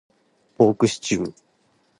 ポークシチュー